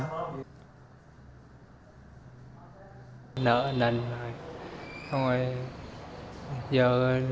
họ chạy về đây